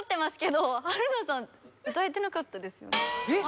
・えっ？